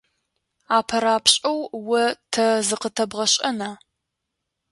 АпэрапшӀэу о тэ зыкъытэбгъэшӀэна ?